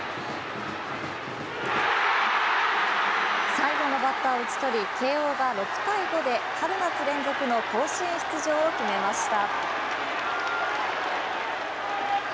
最後のバッターを打ちとり慶応が６対５で春夏連続の甲子園出場を決めました。